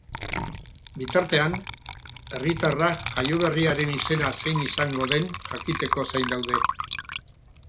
Bitartean, herritarrak jaioberriaren izena zein izango den jakiteko zain daude.